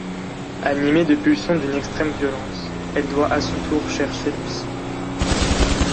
Animée de pulsions d'une extrême violence, elle doit à son tour chercher du sang.